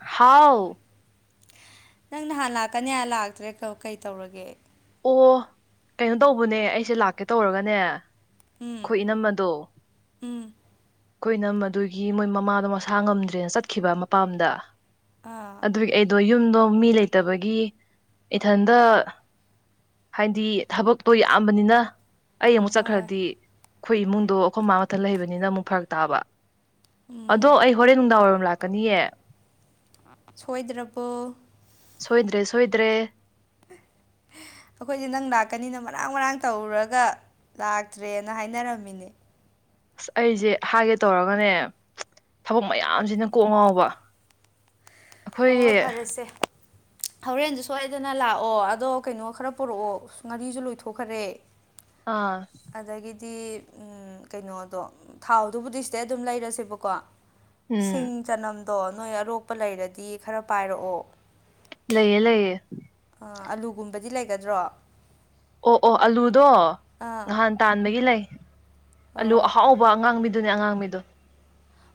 ꯍꯥꯎ ꯅꯪ ꯅꯍꯥꯟ ꯂꯥꯛꯀꯅꯤ ꯍꯥꯏ ꯂꯥꯛꯇ꯭ꯔꯦ ꯀ ꯀꯩ ꯇꯧꯔꯒꯦ ꯑꯣ ꯀꯩꯅꯣ ꯇꯧꯕꯅꯦ ꯑꯩꯁꯦ ꯂꯥꯛꯀꯦ ꯇꯧꯔꯒꯅꯦ ꯎꯝ ꯈꯣꯏ ꯏꯅꯝꯃꯗꯣ ꯎꯝ ꯈꯣꯏ ꯏꯅꯝꯃꯗꯨꯒꯤ ꯃꯣꯏ ꯃꯃꯥꯗꯣ ꯃꯁꯥ ꯉꯝꯗ꯭ꯔꯦꯅ ꯆꯠꯈꯤꯕ ꯃꯄꯥꯝꯗ ꯑꯥ ꯑꯗꯨꯒꯤ ꯑꯩꯗꯣ ꯌꯨꯝꯗꯣ ꯃꯤ ꯂꯩꯇꯕꯒꯤ ꯏꯊꯟꯇ ꯍꯥꯏꯗꯤ ꯊꯕꯛꯇꯣ ꯌꯥꯝꯕꯅꯤꯅ ꯑꯩ ꯑꯃꯨꯛ ꯍꯣꯏ ꯆꯠꯈ꯭ꯔꯗꯤ ꯈꯣꯏ ꯏꯃꯨꯡꯗꯣ ꯑꯩꯈꯣꯏ ꯃꯥ ꯃꯊꯜ ꯂꯩꯕꯅꯤꯅ ꯑꯃꯨꯛ ꯐꯔꯛ ꯇꯥꯕ ꯎꯝ ꯑꯗꯣ ꯑꯩ ꯍꯣꯔꯦꯟ ꯅꯨꯡꯗꯥꯡꯋꯥꯏꯔꯝ ꯂꯥꯛꯀꯅꯤꯌꯦ ꯁꯣꯏꯗ꯭ꯔꯕꯣ ꯁꯣꯏꯗ꯭ꯔꯦ ꯁꯣꯏꯗ꯭ꯔꯦ [inaudible] ꯑꯩꯈꯣꯏꯗꯤ ꯅꯪ ꯂꯥꯛꯀꯅꯤꯅ ꯃꯔꯥꯡ ꯃꯔꯥꯡ ꯇꯧꯔꯨꯔꯒ ꯂꯥꯛꯇ꯭ꯔꯦꯅ ꯍꯥꯏꯅꯔꯝꯃꯤꯅꯦ ꯑꯁ ꯑꯩꯖꯦ ꯍꯥꯏꯒꯦ ꯇꯧꯔꯒꯅꯦ ꯊꯕꯛ ꯃꯌꯥꯝꯁꯤꯅ ꯀꯣꯛ ꯉꯥꯎꯕ ꯍꯣ ꯑꯩꯈꯣꯏꯒꯤ ꯍꯣꯏ ꯐꯔꯦꯁꯦ ꯍꯣꯔꯦꯟꯗꯨ ꯁꯣꯏꯗꯅ ꯂꯥꯛꯑꯣ ꯑꯗꯣ ꯀꯩꯅꯣ ꯈꯔ ꯄꯨꯔꯛꯑꯣ ꯎ ꯉꯥꯔꯤꯁꯨ ꯂꯣꯏꯊꯣꯛꯈꯔꯦ ꯑꯥ ꯑꯗꯒꯤꯗꯤ ꯎꯝ ꯀꯩꯅꯣꯗꯣ ꯊꯥꯎꯗꯨꯕꯨꯗꯤ ꯁꯤꯗꯩ ꯑꯗꯨꯝ ꯂꯩꯔꯁꯦꯕꯀꯣ ꯎꯝ ꯁꯤꯡ ꯆꯅꯝꯗꯣ ꯅꯣꯏ ꯑꯔꯣꯛꯄ ꯂꯩꯔꯗꯤ ꯈꯔ ꯄꯥꯏꯔꯛꯑꯣ ꯂꯩꯌꯦ ꯂꯩꯌ° ꯑꯥ ꯑꯂꯨ ꯒꯨꯝꯕꯗꯤ ꯂꯩꯒꯗ꯭ꯔꯣ ꯑꯣ ꯑꯣ ꯑꯂꯨꯗꯣ ꯑꯥ ꯅꯍꯥꯟ ꯇꯥꯟꯕꯒꯤ ꯂꯩ ꯑꯂꯨ ꯑꯣ ꯑꯍꯥꯎ ꯕ ꯑꯉꯥꯡꯕꯤꯗꯨꯅꯦ ꯑꯉꯥꯡꯕꯤꯗꯣ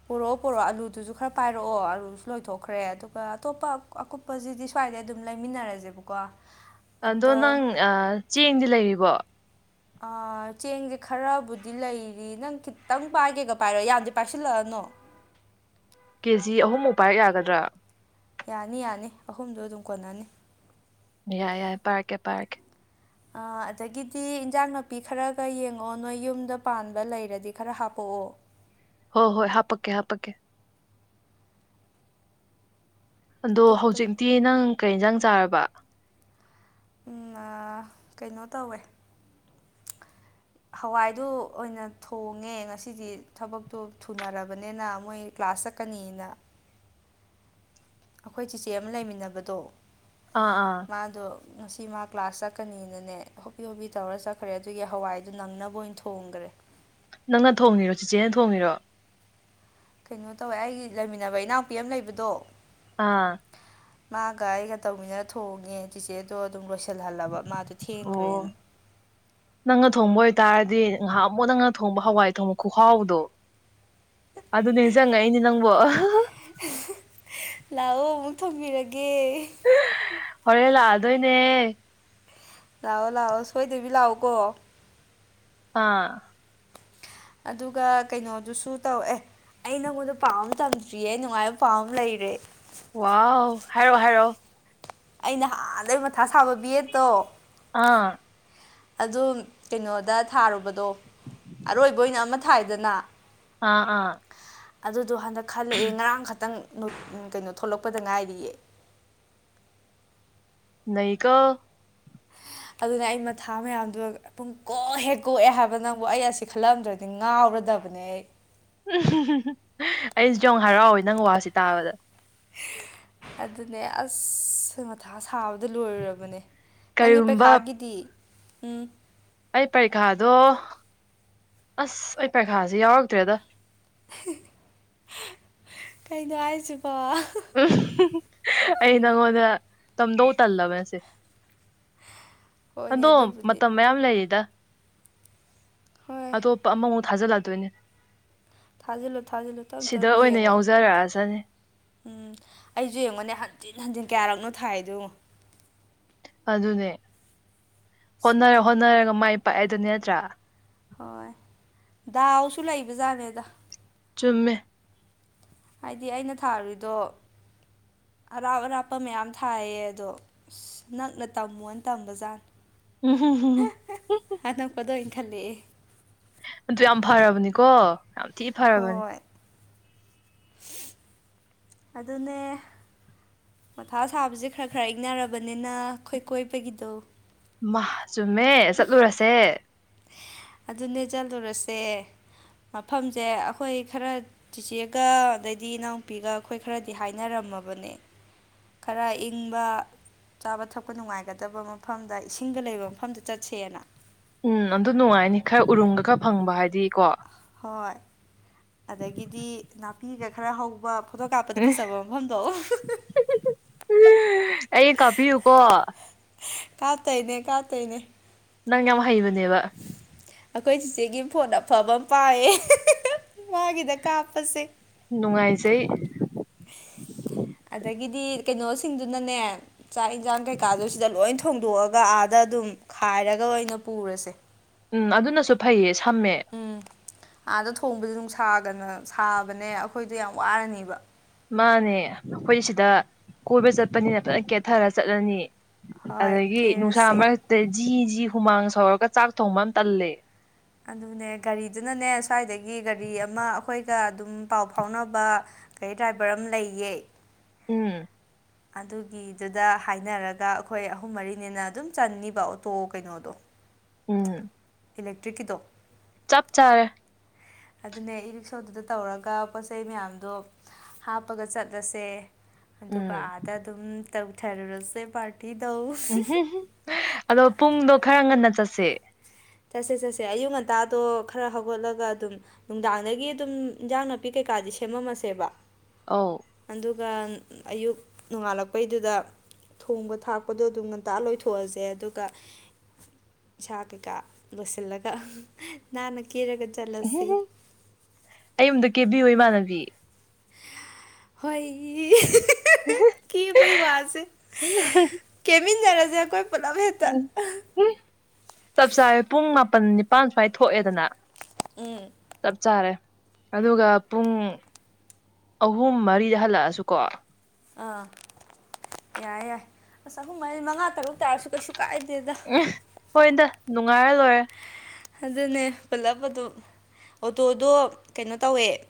ꯄꯨꯔꯛꯑꯣ ꯄꯨꯔꯛꯑꯣ ꯑꯂꯨꯗꯨꯁꯨ ꯈꯔ ꯄꯥꯏꯔꯛꯑꯣ ꯑꯂꯨꯁꯨ ꯂꯣꯏꯊꯣꯛꯈ꯭ꯔꯦ ꯑꯗꯨꯒ ꯑꯇꯣꯞꯄ ꯑꯀꯨꯞ ꯄꯖꯤꯗꯤ ꯁ꯭ꯋꯥꯏꯗꯩ ꯑꯗꯨꯝ ꯂꯩꯃꯤꯟꯅꯔꯖꯦꯕꯀꯣ ꯑꯗꯣ ꯅꯪ ꯑꯥ ꯆꯦꯡꯗꯤ ꯂꯩꯔꯤꯕꯣ ꯑꯥ ꯆꯦꯡꯁꯦ ꯈꯔꯕꯨꯗꯤ ꯂꯩꯔꯤ ꯅꯪ ꯈꯤꯇꯪ ꯄꯥꯏꯒꯦꯒꯥ ꯄꯥꯏꯔꯣ ꯌꯥꯝꯗꯤ ꯄꯥꯏꯁꯤꯜꯂꯛꯑꯅꯣ ꯀꯦꯖꯤ ꯑꯍꯨꯝ ꯃꯨꯛ ꯄꯥꯏꯔꯛ ꯌꯥꯒꯗ꯭ꯔꯥ ꯌꯥꯅꯤ ꯌꯥꯅꯤ ꯑꯍꯨꯝꯗꯣ ꯑꯗꯨꯝ ꯀꯣꯟꯅꯅꯤ ꯌꯥꯔꯦ ꯌꯥꯔꯦ ꯄꯥꯏꯔꯛꯀꯦ ꯄꯥꯏꯔꯛꯀꯦ ꯑꯥ ꯑꯗꯒꯤꯗꯤ ꯏꯟꯖꯥꯡ ꯅꯥꯄꯤ ꯈꯔꯒꯥ ꯌꯦꯡꯉꯛꯑꯣ ꯅꯣꯏ ꯌꯨꯝꯗ ꯄꯥꯟꯕ ꯂꯩꯔꯗꯤ ꯈꯔ ꯍꯥꯄꯛꯑꯣ ꯍꯣ ꯍꯣꯏ ꯍꯥꯄꯛꯀꯦ ꯍꯥꯄꯛꯀꯦ ꯑꯗꯣ ꯑꯇꯣꯞꯄ ꯍꯧꯖꯤꯛꯇꯤ ꯅꯪ ꯀꯩ ꯑ°ꯟꯁꯥꯡ ꯆꯥꯔꯕꯥ ꯎꯝ ꯑꯥ ꯀꯩꯅꯣ ꯇꯧꯋꯦ ꯍꯋꯥꯏꯗꯨ ꯑꯣꯏꯅ ꯊꯣꯡꯉꯦ ꯉꯁꯤꯗꯤ ꯊꯕꯛꯇꯣ ꯊꯨꯅꯔꯕꯅꯤꯅꯥ ꯃꯣꯏ ꯀ꯭ꯂꯥꯁ ꯆꯠꯀꯅꯤꯅꯥ ꯑꯩꯈꯣꯏ ꯆꯤꯆꯦ ꯑꯃꯥ ꯂꯩꯃꯤꯟꯅꯕꯗꯣ ꯑꯥ ꯑꯥ ꯃꯥꯗꯣ ꯉꯁꯤ ꯃꯥ ꯀ꯭ꯂꯥꯁ ꯆꯠꯀꯅꯤꯅꯅꯦ ꯍꯣꯞꯄꯤ ꯍꯣꯞꯄꯤ ꯇꯧꯔ ꯆꯠꯈ꯭ꯔꯦ ꯑꯗꯨꯒꯤ ꯍꯋꯥꯏꯗꯨ ꯅꯪꯅꯕ ꯑꯣꯏꯅꯥ ꯊꯣꯡ ꯍꯣꯡꯒ꯭ꯔꯦ ꯅꯪꯅꯥ ꯊꯣꯡꯉꯤꯔꯣ ꯆꯤꯆꯦꯅꯥ ꯊꯣꯡꯉꯤꯔꯣ ꯀꯩꯅꯣ ꯇꯧꯋꯦ ꯑꯩꯒꯤ ꯂꯩꯃꯤꯟꯅꯕ ꯏꯅꯥꯎꯄꯤ ꯑꯃꯥ ꯂꯩꯕꯗꯣ ꯑꯥ ꯃꯥꯒ ꯑꯩꯒ ꯇꯧꯃꯤꯟꯅꯔ ꯊꯣꯡꯉꯦ꯫ ꯆꯤꯆꯦꯗꯣ ꯑꯗꯨꯝ ꯂꯣꯏꯁꯤꯜꯍꯜꯂꯕ ꯃꯥꯗꯣ ꯑꯣ ꯊꯦꯡꯈ꯭ꯔꯦꯅꯥ꯫ ꯅꯪꯅ ꯊꯣꯡꯕ ꯑꯣꯏꯇꯥꯔꯗꯤ ꯅꯍꯥꯟꯃꯨꯛ ꯅꯪꯅ ꯊꯣꯡꯕ ꯍꯋꯥꯏ ꯊꯣꯡ ꯈꯨꯍꯥꯎꯗꯣ ꯑꯗꯨ ꯅꯤꯡꯁꯤꯡꯉꯛꯏꯅꯤ ꯅꯪꯕꯣ ꯂꯥꯎꯑꯣ ꯑꯃꯨꯛ ꯊꫭꯡꯕꯤꯔꯒꯦ ꯍꯣꯔꯦꯟ ꯂꯥꯛꯑꯗꯣꯏꯅꯦ꯫ ꯂꯥꯑꯣ ꯂꯥꯑꯣ ꯁꯣꯏꯗꯕꯤ ꯂꯥꯛꯑꯣ ꯀꯣ ꯑꯥ ꯑꯗꯨꯒꯥ ꯀꯩꯅꯣꯗꯨꯁꯨ ꯇꯧ ꯑꯦ ꯑꯩ ꯅꯪꯉꯣꯟꯗ ꯄꯥꯎ ꯑꯃꯥ ꯇꯝꯗ꯭ꯔꯤꯌꯦ ꯅꯨꯡꯉꯥꯏꯕ ꯄꯥꯎ ꯑꯃ ꯂꯩꯔꯦ ꯋꯥꯎ ꯍꯥꯏꯔꯛꯑꫭ ꯍꯥꯏꯔꯛꯑꫭ ꯑꯩ ꯅꯍꯥꯟꯗꯩ ꯃꯊꯥ ꯁꯥꯕ ꯕ°ꯠꯇꯣ ꯑꯥ ꯑꯗꯨ ꯀꯩꯅꯣꯗꯥ ꯊꯥꯔꯨꯕꯗꯣ ꯑꯔꯣꯏꯕꯥ ꯑꯣꯏꯅ ꯑꯃ ꯊꯥꯏꯗꯅ ꯑꯥ ꯑꯥ ꯑꯗꯨꯗꯣ ꯍꯟꯗꯛ ꯈꯜꯂꯛꯑꯦ ꯉꯔꯥꯡ ꯈꯛꯇꯪ ꯀꯩꯅꯣ ꯊꯣꯛꯂꯛꯄꯗꯥ ꯉꯥꯏꯔꯤꯌꯦ ꯅꯩꯀꫭ ꯑꯗꯨꯅꯦ ꯑꯩ ꯃꯊꯥ ꯃꯌꯥꯝꯗꯨ ꯄꯨꯡ ꯀꯣꯛ ꯍꯦꯛ ꯀꯣꯛꯑꯦ ꯍꯥꯏꯕ ꯅꯪꯕꯨ ꯑꯩ ꯑꯁꯤ ꯈꯜꯂꯝꯗ꯭ꯔꯗꯤ ꯉꯥꯎꯔꯗꯕꯅꯦ ꯑꯩ ꯑꯩꯖꯨ ꯌꯥꯝ ꯍꯔꯥꯎꯋꯦ ꯅꯪ ꯋꯥꯁꯤ ꯇꯥꯕꯗꯥ ꯑꯗꯨꯅꯦ ꯑꯥꯁ ꯃꯊꯥ ꯁꯥꯕꯗ ꯂꯣꯏꯔꯨꯔꯕꯅꯦ ꯅꯪꯒꯤ ꯀꯔꯤꯒꯨꯝꯕ ꯄꯩꯈꯥꯒꯤꯗꯤ ꯎꯝ ꯑꯩ ꯄꯔꯤꯈꯥꯗꯣ ꯑꯥꯁ ꯑꯩ ꯄꯩꯈꯥꯁꯦ ꯌꯥꯎꯔꯛꯇ꯭ꯔꯦꯗꯥ ꯀꯩꯅꯣ ꯍꯥꯏꯁꯤꯕꯣ ꯑꯩ ꯅꯥꯉꯣꯟꯗ ꯇꯝꯗꯧ ꯇꯜꯂꯕ ꯑꯁꯦ ꯍꯣꯏꯅꯦ ꯑꯗꯣ ꯑꯗꯨꯕꯨꯗꯤ ꯃꯇꯝ ꯃꯌꯥꯝ ꯂꯩꯔꯤꯗꯥ ꯍꯣꯏ ꯑꯇꯣꯞꯄ ꯑꯃꯃꯨꯛ ꯊꯥꯖꯤꯜꯂꯗꯣꯏꯅꯦ ꯊꯥꯖꯤꯜꯂꯨ ꯊꯥꯖꯤꯜꯂꯨ ꯇꯞ ꯇꯞ ꯌꯦꯡꯉꯣ ꯌꯥꯎꯖꯔꯛꯑꯁꯅꯤ ꯎꯝ ꯑꯩꯁꯨ ꯌꯦꯡꯉꯣꯅꯦ ꯍꯟꯖꯤꯟ ꯍꯟꯖꯤꯟ ꯀꯌꯥꯔꯛꯅꯣ ꯊꯥꯏꯗꯣ ꯌꯦꯡꯉꯣ ꯑꯗꯨꯅꯦ ꯑꯁ ꯍꯣꯠꯅꯔ ꯃꯊꯛ ꯍꯣꯠꯅꯔꯒ ꯃꯥꯏ ꯄꯥꯛꯑꯦꯗꯨꯅꯤ ꯅꯠꯇ꯭ꯔꯥ ꯍꯣꯏ ꯗꯥꯎꯁꯨ ꯂꯩꯕꯖꯥꯠꯅꯦꯗ ꯆꯨꯝꯃꯦ ꯍꯥꯏꯗꯤ ꯑꯩꯅ ꯊꯥꯔꯨꯔꯤꯗꯣ ꯑꯔꯥꯞ ꯑꯔꯥꯞꯄ ꯃꯌꯥꯝ ꯊꯥꯏꯌꯦ ꯑꯗꯣ ꯑꯁ ꯅꯛꯅ ꯇꯝꯃꯣꯅ ꯇꯝꯕ ꯖꯥꯠꯅꯤ ꯎꯝ [unintelligible] ꯑꯗ ꯑꯣꯏꯟ ꯈꯜꯂꯦꯛꯑꯦ ꯑꯗꯨ ꯌꯥꯝ ꯐꯔꯕꯅꯤꯀꯣ ꯌꯥꯝ ꯊꯤ ꯐꯔꯕꯅꯤ ꯁꯤ [unintelligible] ꯑꯗꯨꯅꯦ ꯃꯊꯥ ꯁꯥꯕꯁꯦ ꯈꯔ ꯈꯔ ꯏꯪꯅꯔꯕꯅꯤꯅ ꯑꯩꯈꯣꯏ ꯀꯣꯏꯕꯒꯤꯗꯣ ꯃꯥ ꯆꯨꯝꯃꯦ ꯆꯠꯂꯨꯔꯁꯦ ꯑꯗꯨꯅꯦ ꯆꯠꯂꯨꯔꯁꯦ ꯃꯐꯝꯁꯦ ꯑꯩꯈꯣꯏ ꯈꯔ ꯆꯤꯆꯦꯒ ꯑꯗꯩꯗꯤ ꯏꯅꯥꯎꯄꯤꯒ ꯑꯩꯈꯣꯏ ꯈꯔꯗꯤ ꯍꯥꯏꯅꯔꯝꯃꯕꯅꯦ ꯈꯔ ꯏꯪꯕ ꯆꯥꯕ ꯊꯛꯄ ꯅꯨꯡꯉꯥꯏꯒꯗꯕ ꯃꯐꯝꯗ ꯏꯁꯤꯡꯒ ꯂꯩꯕ ꯃꯐꯝꯗ ꯆꯠꯁꯦꯅ ꯎꯝ ꯑꯗꯨ ꯅꯨꯡꯉꯥꯏꯅꯤ ꯈꯔ ꯎꯔꯨꯝꯒ ꯈꯔ ꯐꯪꯕ ꯍꯥꯏꯗꯤ ꯀꯣ ꯍꯣꯏ ꯑꯗꯒꯤꯗꯤ ꯅꯥ ꯄꯤꯒ ꯈꯔ ꯍꯧꯕ ꯐꯣꯇꯣ ꯀꯥꯞꯄꯗ ꯎꯝ ꯐꯖꯕ ꯃꯐꯝꯗꯣ ꯑꯩ ꯀꯥꯞꯄꯤꯌꯨꯀꯣ ꯀꯥꯞꯇꯣꯏꯅꯦ ꯀꯥꯞꯇꯣꯏꯅꯦ ꯅꯪ ꯌꯥꯝ ꯍꯩꯕꯅꯦꯕ ꯑꯈꯣꯏ ꯆꯤꯆꯦꯒꯤ ꯐꯣꯟ ꯑꯐꯕ ꯑꯃ ꯄꯥꯏꯌꯦ ꯃꯥꯒꯤꯗ ꯀꯥꯞꯄꯁꯦ ꯅꯨꯡꯉꯥꯏꯖꯩ ꯑꯗꯒꯤꯗꯤ ꯀꯩꯅꯣꯁꯤꯡꯗꯨꯅꯅꯦ ꯆꯥꯛ ꯏꯟꯖꯥꯡ ꯀꯩꯀꯥꯗꯨ ꯁꯤꯗ ꯂꯣꯏ ꯊꯣꯡꯗꯣꯛꯑꯒ ꯑꯥꯗ ꯑꯗꯨꯝ ꯈꯥꯏꯔꯒ ꯑꯣꯏꯅ ꯄꯨꯔꯁꯦ ꯎꯝ ꯑꯗꯨꯅꯁꯨ ꯐꯩꯌꯦ ꯁꯝꯃꯦ ꯎꯝ ꯑꯥꯗ ꯊꯣꯡꯕꯗꯣ ꯅꯨꯡ ꯁꯥꯒꯅ ꯁꯥꯕꯅꯦ ꯑꯈꯣꯏꯗꯣ ꯌꯥꯝ ꯋꯥꯔꯅꯤꯕ ꯃꯥꯅꯦ ꯑꯩꯈꯣꯏ ꯁꯤꯗ ꯀꯣꯏꯕ ꯆꯠꯄꯅꯤꯅ ꯐꯖꯅ ꯀꯦꯊꯔ ꯆꯠꯂꯅꯤ ꯍꯣꯏ ꯑꯗꯒꯤ ꯅꯨꯡꯁꯥ ꯀꯦꯔꯁꯦ ꯃꯔ ꯇꯨꯗ ꯖꯤ ꯖꯤ ꯍꯨꯃꯥꯡ ꯁꯧꯔꯒ ꯆꯥꯛ ꯊꯣꯡꯕ ꯑꯃ ꯇꯜꯂꯦ ꯑꯗꯨꯅꯦ ꯒꯥꯔꯤꯗꯨꯅꯅꯦ ꯁ꯭ꯋꯥꯏꯗꯒꯤ ꯒꯥꯔꯤ ꯑꯃ ꯑꯩꯈꯣꯏꯒ ꯑꯗꯨꯝ ꯄꯥꯎ ꯐꯥꯎꯅꯕ ꯒꯔꯤ ꯗ꯭ꯔꯥꯏꯚꯔ ꯑꯃ ꯂꯩꯌꯦ ꯎꯝ ꯑꯗꯨꯒꯤꯗꯨꯗ ꯍꯥꯏꯅꯔꯒ ꯑꯈꯣꯏ ꯑꯍꯨꯝ ꯃꯔꯤꯅꯤꯅ ꯑꯗꯨꯝ ꯆꯟꯅꯤꯕ ꯑꯣꯇꯣ ꯀꯩꯅꯣꯗꯣ ꯎꯝ ꯏꯂꯦꯛꯇ꯭ꯔꯤꯛꯀꯤꯗꯣ ꯆꯞ ꯆꯥꯔꯦ ꯑꯗꯨꯅꯦ ꯏ ꯔꯤꯛꯁꯣꯗꯨꯗ ꯇꯧꯔꯒ ꯄꯣꯠꯆꯩ ꯃꯌꯥꯝꯗꯣ ꯍꯥꯞꯄꯒ ꯆꯠꯂꯁꯦ ꯑꯗꯨꯒ ꯎꯝ ꯑꯥꯗ ꯑꯗꯨꯝ ꯇꯧꯊꯔꯨꯔꯁꯦ ꯄꯥꯔꯇꯤꯗꯧ ꯎꯝꯍꯨꯝ ꯑꯗꯣ ꯄꯨꯡꯗꯣ ꯈꯔ ꯉꯟꯅ ꯆꯠꯁꯦ ꯆꯠꯁꯦ ꯆꯠꯁꯦ ꯑꯌꯨꯛ ꯉꯟꯇꯥꯗꯣ ꯈꯔ ꯍꯧꯒꯠꯂꯒ ꯑꯗꯨꯝ ꯅꯨꯡꯗꯥꯡꯗꯒꯤ ꯑꯗꯨꯝ ꯏꯟꯖꯥꯡ ꯅꯥꯄꯤ ꯀꯩꯀꯥꯗꯤ ꯁꯦꯝꯃꯝꯃꯁꯦꯕ ꯑꯧ ꯑꯗꯨꯒ ꯑꯌꯨꯛ ꯅꯣꯡꯉꯥꯜꯂꯛꯄꯩꯗꯨꯗ ꯊꯣꯡꯕ ꯊꯥꯛꯄꯗꯣ ꯑꯗꯨꯝ ꯉꯟꯇꯥ ꯂꯣꯏꯊꯣꯛꯑꯁꯦ ꯑꯗꯨꯒ ꯏꯁꯥ ꯀꯩꯀꯥ ꯂꯣꯏꯁꯤꯜꯂꯒ ꯅꯥꯟꯅ ꯀꯦꯔꯒ ꯆꯠꯂꯁꯤ ꯎꯝꯍꯨꯝ ꯑꯩ ꯑꯝꯗ ꯀꯦꯕꯤꯌꯨ ꯏꯃꯥꯟꯅꯕꯤ ꯍꯣꯏ ꯀꯦꯕꯩ ꯋꯥꯁꯦ ꯀꯦꯃꯤꯟꯗꯔꯖꯦ ꯑꯩꯈꯣꯏ ꯄꯨꯂꯞ ꯍꯦꯛꯇ ꯆꯞ ꯆꯥꯔ ꯄꯨꯡ ꯃꯥꯄꯜ ꯅꯤꯄꯥꯜ ꯁ꯭ꯨꯋꯥꯏ ꯊꯣꯛꯑꯦꯗꯅ ꯎꯝ ꯆꯞ ꯆꯥꯔꯦ ꯑꯗꯨꯒ ꯄꯨꯡ ꯑꯍꯨꯝ ꯃꯔꯤꯗ ꯍꯜꯂꯛꯑꯁꯨꯀꯣ ꯑꯥ ꯌꯥꯏ ꯌꯥꯏ ꯑꯁ ꯑꯍꯨꯝ ꯍꯥꯏꯁꯦ ꯃꯉꯥ ꯇꯔꯨꯛ ꯇꯥꯔꯁꯨ ꯀꯩꯁꯨ ꯀꯥꯏꯗꯦꯗ ꯍꯣꯏꯗ ꯅꯨꯡꯉꯥꯏꯔ ꯂꯣꯏꯔꯦ ꯑꯗꯨꯅꯦ ꯄꯨꯜꯂꯞ ꯑꯗꯨ ꯑꯣꯇꯣꯗꯣ ꯀꯩꯅꯣ ꯇꯧꯋꯦ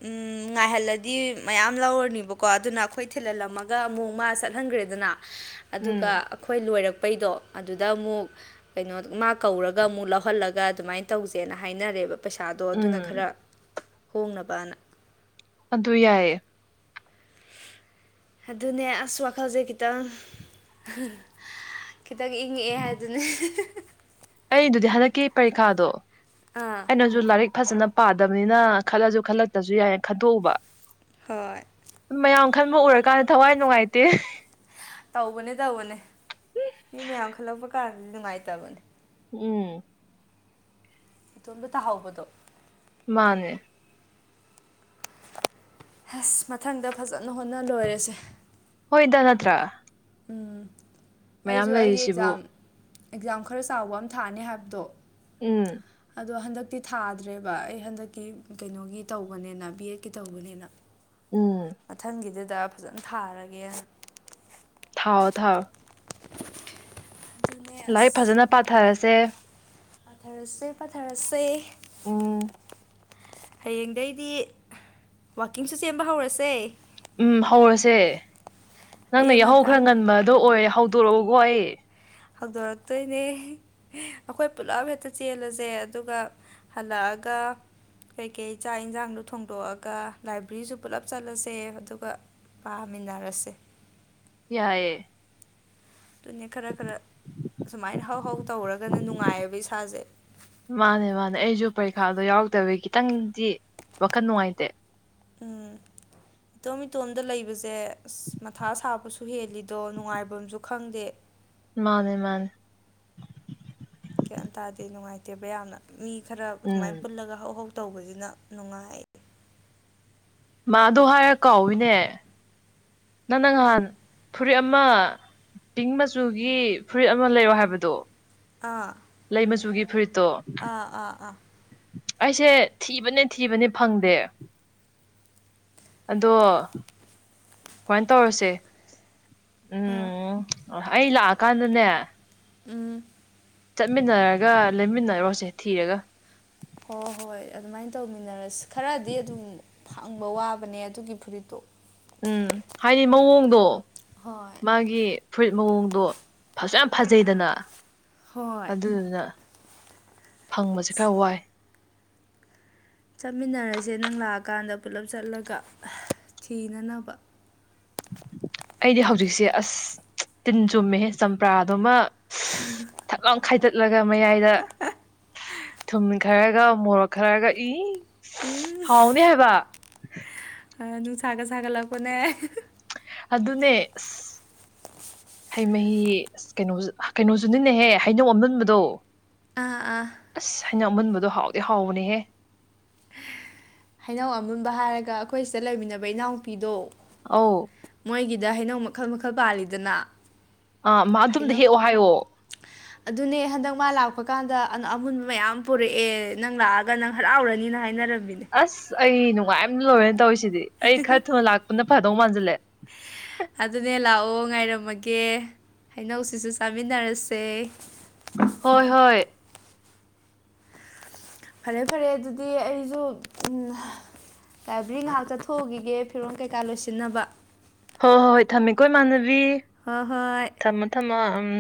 ꯉꯥꯏꯍꯜꯂꯗꯤ ꯃꯌꯥꯝ ꯂꯧꯔꯅꯤꯕꯀꯣ ꯑꯗꯨꯅ ꯑꯩꯈꯣꯏ ꯊꯤꯜꯍꯜꯂꯝꯃꯒ ꯒ ꯑꯃꯨꯛ ꯃꯥ ꯆꯠꯍꯟꯒ꯭ꯔꯦꯗꯅ ꯑꯗꯨꯒ ꯎꯝ ꯑꯩꯈꯣꯏ ꯂꯣꯏꯔꯛꯄꯩꯗꯣ ꯑꯗꯨꯗ ꯑꯃꯨꯛ ꯀꯩꯅꯣ ꯃꯥ ꯀꯧꯔꯒ ꯑꯃꯨꯛ ꯂꯧꯍꯜꯂꯒ ꯑꯗꯨꯃꯥꯏꯅ ꯇꯧꯁꯦꯅ ꯍꯥꯏꯅꯔꯦꯕ ꯄꯩꯁꯥꯗꯣ ꯑꯗꯨꯅ ꯎꯝ ꯈꯔ ꯍꯣꯡꯅꯕꯅ ꯑꯗꯨ ꯌꯥꯏꯌꯦ ꯑꯗꯨꯅꯦ ꯑꯁ ꯋꯥꯈꯜꯁꯦ ꯈꯤꯇꯪ ꯈꯤꯇꯪ ꯏꯪꯉꯛꯑꯦ ꯍꯥꯏꯗꯨꯅꯦ ꯑꯩꯗꯨꯗꯤ ꯍꯟꯗꯛꯀꯤ ꯄꯔꯤꯈꯥꯗꯣ ꯑꯥ ꯑꯩꯅꯁꯨ ꯂꯥꯏꯔꯤꯛ ꯐꯖꯅ ꯄꯥꯗꯕꯅꯤꯅ ꯈꯜꯂꯁꯨ ꯈꯜꯂꯛꯇ꯭ꯔꯁꯨ ꯌꯥꯏꯌꯦꯅ ꯈꯟꯗꯣꯛꯎꯕ ꯍꯣꯏ ꯃꯌꯥꯝ ꯈꯟꯕ ꯎꯔꯀꯥꯟꯗ ꯊꯋꯥꯏ ꯅꯨꯡꯉꯥꯏꯇꯦ ꯇꯧꯕꯅꯦ ꯇꯧꯕꯅꯦ ꯃꯤ ꯃꯌꯥꯝ ꯈꯜꯂꯛꯄ ꯀꯥꯟꯗꯗꯤ ꯅꯨꯡꯉꯥꯏꯇꯕꯅꯦ ꯎꯝ ꯏꯇꯣꯝꯗ ꯇꯥꯍꯧꯕꯗꯣ ꯃꯥꯅꯦ ꯑꯁ ꯃꯊꯪꯗ ꯐꯖꯅ ꯍꯣꯠꯅ ꯂꯣꯏꯔꯁꯦ ꯍꯣꯏꯗ ꯅꯠꯇ꯭ꯔꯥ ꯎꯝ ꯃꯌꯥꯝ ꯑꯩꯁꯨ ꯑꯩꯒꯤ ꯂꯩꯔꯤꯁꯤꯕꯨ ꯑꯦꯛꯖꯥꯝ ꯑꯦꯛꯖꯥꯝ ꯈꯔ ꯆꯥꯎꯕ ꯑꯃ ꯊꯥꯅꯤ ꯍꯥꯏꯕꯗꯣ ꯎꯝ ꯑꯗꯣ ꯍꯟꯗꯛꯇꯤ ꯊꯥꯗ꯭ꯔꯦꯕ ꯑꯩ ꯍꯟꯗꯛꯀꯤ ꯀꯩꯅꯣꯒꯤ ꯇꯧꯕꯅꯦꯅ ꯕꯤ ꯑꯦꯗꯀꯤ ꯇꯧꯕꯅꯤꯅ ꯎꯝ ꯃꯊꯪꯒꯤꯗꯨꯗ ꯐꯖꯅ ꯊꯥꯔꯒꯦ ꯊꯥꯎꯑꯣ ꯊꯥꯎ ꯑꯗꯨꯅꯦ ꯂꯥꯏꯔꯤꯛ ꯑꯁ ꯐꯖꯅ ꯄꯥꯊꯔꯁꯦ ꯄꯥꯊꯔꯁꯦ ꯄꯥꯊꯔꯁꯦ ꯎꯝ ꯍꯌꯦꯡꯗꯩꯗꯤ ꯋꯥꯛꯀꯤꯡꯁꯨ ꯆꯦꯟꯕ ꯍꯧꯔꯁꯦ ꯎꯝ ꯍꯧꯔꯁꯦ ꯅꯪꯅ ꯑꯌꯨꯛ ꯌꯥꯍꯧ ꯉꯟꯇꯥ ꯈꯔ ꯉꯟꯕꯗꯣ ꯑꯣꯏꯔꯦ ꯍꯧꯗꯣꯔꯛꯎꯀꯣ ꯑꯩ ꯍꯧꯗꯣꯔꯛꯇꯣꯏꯅꯦ ꯑꯩꯈꯣꯏ ꯄꯨꯂꯞ ꯍꯦꯛꯇ ꯆꯦꯜꯂꯁꯦ ꯑꯗꯨꯒ ꯍꯜꯂꯛꯑꯒ ꯀꯩꯀꯩ ꯆꯥꯛ ꯏꯟꯁꯥꯡꯗꯣ ꯊꯣꯡꯗꯣꯛꯑꯒ ꯂꯥꯏꯕ꯭ꯔꯦꯔꯤꯁꯨ ꯄꯨꯜꯂꯞ ꯆꯠꯂꯁꯦ ꯑꯗꯨꯒ ꯄꯥꯃꯤꯟꯅꯔꯁꯦ ꯌꯥꯏꯑꯦ ꯑꯗꯨꯅꯦ ꯈꯔ ꯈꯔ ꯑꯁꯨꯃꯥꯏꯅ ꯍꯥꯎ ꯍꯥꯎ ꯇꯧꯔꯒꯅ ꯅꯨꯡꯉꯥꯏꯌꯦꯕ ꯏꯁꯥꯁꯦ ꯃꯥꯅꯦ ꯃꯥꯅꯦ ꯑꯩꯁꯨ ꯄꯔꯤꯈꯥꯗꯣ ꯌꯥꯎꯔꯛꯇꯕꯤ ꯈꯤꯇꯪꯗꯤ ꯋꯥꯈꯜ ꯅꯨꯡꯉꯥꯏꯇꯦ ꯎꯝ ꯏꯇꯣꯝ ꯏꯇꯣꯝꯗ ꯂꯩꯕꯁꯦ ꯑꯁ ꯃꯊꯥ ꯁꯥꯕꯁꯨ ꯍꯦꯜꯂꯤꯗꯣ ꯅꯨꯡꯉꯥꯏꯕꯝꯁꯨ ꯈꯪꯗꯦ ꯃꯥꯅꯦ ꯃꯥꯅꯦ ꯒ꯭ꯌꯥꯟ ꯇꯥꯗꯦ ꯅꯨꯡꯉꯥꯏꯇꯦꯕ ꯌꯥꯝꯅ ꯃꯤ ꯈꯔ ꯑꯗꯨꯃꯥꯏꯅ ꯎꯝ ꯄꯨꯜꯂꯒ ꯍꯧ ꯍꯧ ꯇꯧꯕꯁꯤꯅ ꯅꯨꯡꯉꯥꯏ ꯃꯥꯗꯣ ꯍꯥꯏꯔ ꯀꯥꯎꯏꯤꯅꯦ ꯅꯪꯅ ꯅꯪꯍꯥꯟ ꯐꯨꯔꯤꯠ ꯑꯃ ꯄꯤꯡ ꯃꯆꯨꯒꯤ ꯐꯨꯏꯠ ꯑꯃ ꯂꯩꯔꯣ ꯍꯥꯏꯕꯗꯣ ꯑꯥ ꯂꯩ ꯃꯆꯨꯒꯤ ꯐꯨꯔꯤꯠꯇꯣ ꯑꯥ ꯑꯥ ꯑꯥ ꯑꯩꯁꯦ ꯊꯤꯕꯅꯦ ꯊꯤꯕꯅꯦ ꯐꯪꯗꯦ ꯑꯗꯣ ꯀꯃꯥꯏꯅ ꯇꯧꯔꯁꯦ ꯑꯥ ꯎꯝ ꯑꯩ ꯂꯥꯛꯑꯀꯥꯟꯗꯅꯦ ꯎꯝ ꯆꯠꯃꯤꯟꯅꯔꯒ ꯂꯩꯃꯤꯟꯅꯔꯣꯁꯦ ꯊꯤꯔꯒ ꯍꯣ ꯍꯣꯏ ꯑꯗꯨꯃꯥꯏꯅ ꯇꯧꯃꯤꯟꯅꯔꯁꯤ ꯈꯔꯗꯤ ꯑꯗꯨꯝ ꯐꯪꯕ ꯋꯥꯕꯅꯦ ꯑꯗꯨꯒꯤ ꯐꯨꯔꯤꯠꯇꯣ ꯎꯝ ꯍꯥꯏꯗꯤ ꯃꯑꯣꯡꯗꯣ ꯍꯣꯏ ꯃꯥꯒꯤ ꯐꯨꯔꯤꯠ ꯃꯑꯣꯡꯗꯣ ꯐꯖ ꯐꯖꯩꯗꯅ ꯍꯣꯏ ꯑꯗꯨꯗꯨꯅ ꯐꯪꯕꯁꯦ ꯈꯔ ꯋꯥꯏ ꯆꯠꯃꯤꯟꯅꯔꯁꯦ ꯅꯪ ꯂꯥꯛꯑꯀꯥꯟꯗ ꯄꯨꯂꯞ ꯆꯠꯂꯒ ꯊꯤꯅꯅꯕ ꯑꯩꯗꯤ ꯍꯧꯖꯤꯛꯁꯦ ꯑꯁ ꯇꯤꯟ ꯆꯨꯝꯃꯦꯍꯦ ꯆꯝꯄ꯭ꯔꯥꯗꯨꯃ ꯊꯛ ꯂꯥꯎ ꯈꯥꯏꯗꯠꯂꯒ ꯃꯌꯥꯏꯗ ꯊꯨꯝ ꯈꯔꯒ ꯃꯣꯔꯣꯛ ꯈꯔꯒ ꯏ ꯎꯝ ꯍꯥꯎꯅꯤ ꯍꯥꯏꯕ ꯑ ꯅꯨꯡꯁꯥꯒ ꯁꯥꯒꯠꯂꯛꯄꯅꯦ ꯑꯗꯨꯅꯦ ꯑꯁ ꯍꯩ ꯃꯍꯤ ꯑꯁ ꯀꯩꯅꯣ ꯀꯩꯅꯣꯁꯨꯅꯤꯅꯦꯍꯦ ꯍꯩꯅꯧ ꯑꯃꯨꯟꯕꯗꯣ ꯑ ꯑꯁ ꯍꯩꯅꯧ ꯑꯃꯨꯟꯕꯗꯣ ꯍꯥꯎꯗꯤ ꯍꯥꯎꯕꯅꯦꯍꯦ ꯍꯩꯅꯧ ꯑꯃꯨꯟꯕ ꯍꯥꯏꯔꯒ ꯑꯩꯈꯣꯏ ꯁꯤꯗ ꯂꯩꯃꯤꯟꯅꯕ ꯏꯅꯥꯎꯄꯤꯗꯣ ꯑꯧ ꯃꯣꯏꯒꯤꯗ ꯍꯩꯅꯧ ꯃꯈꯜ ꯃꯈꯜ ꯄꯥꯜꯂꯤꯗꯅ ꯑ ꯃꯥ ꯑꯗꯨꯝ ꯍꯩꯅꯧ ꯍꯦꯛꯑꯣ ꯍꯥꯏꯌꯣ [unintelligible] ꯑꯗꯨꯅꯦ ꯍꯟꯗꯛ ꯃꯥ ꯂꯥꯛꯄ ꯀꯥꯟꯗ ꯑꯃꯨꯟꯕ ꯃꯌꯥꯝ ꯄꯨꯔꯛꯑꯦ ꯅꯪ ꯂꯥꯛꯑꯒ ꯅꯪ ꯍꯔꯥꯎꯔꯅꯤꯅ ꯍꯥꯏꯅꯔꯝꯃꯤꯅꯦ ꯑꯁ ꯑꯩ ꯅꯨꯡꯉꯥꯏꯕꯅ ꯂꯣꯏꯔꯦꯅ ꯇꯧꯔꯤꯁꯤꯗꯤ ꯑꯩ ꯈꯔ ꯊꯨꯅ ꯂꯥꯛꯄꯅ ꯐꯗꯧ ꯃꯥꯟꯁꯤꯜꯂꯦ ꯑꯗꯨꯅꯦ ꯂꯥꯛꯑꯣ ꯉꯥꯏꯔꯝꯃꯒꯦ ꯍꯩꯅꯧꯁꯤꯁꯨ ꯆꯥꯃꯤꯟꯅꯔꯁꯦ ꯍꯣꯏ ꯍꯣꯏ ꯐꯔꯦ ꯐꯔꯦ ꯑꯗꯨꯗꯤ ꯑꯩꯁꯨ ꯂꯥꯏꯕ꯭ꯔꯦꯔꯤ ꯉꯥꯏꯍꯥꯛ ꯆꯠꯊꯣꯛꯎꯈꯤꯒꯦ ꯐꯤꯔꯣꯜ ꯀꯩꯀꯥ ꯂꯣꯏꯁꯤꯟꯅꯕ ꯍꯣꯏ ꯍꯣꯏ ꯍꯣꯏ ꯊꯝꯃꯦꯀꯣ ꯏꯃꯥꯟꯅꯕꯤ ꯍꯣꯏ ꯍꯣꯏ ꯊꯝꯃꯣ ꯊꯝꯃꯣ ꯎꯝ